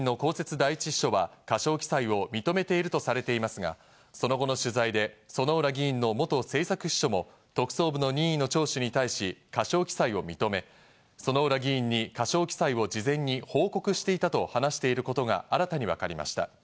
第一秘書が過少記載を認めているとされていますが、その後の取材で薗浦議員の元政策秘書も特捜部の任意の聴取に対し、過少記載を認め、薗浦議員に過少記載を事前に報告していたと話していることが新たに分かりました。